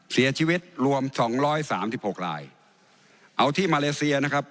เสียชีวิตรวม๒๓๖รายเอาที่มาเลเซียนะครับ